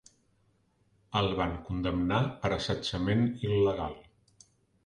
El van condemnar per assetjament il·legal.